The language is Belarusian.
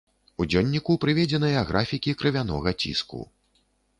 У дзённіку прыведзеныя графікі крывянога ціску.